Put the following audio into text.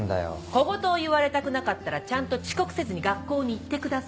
小言を言われたくなかったらちゃんと遅刻せずに学校に行ってください。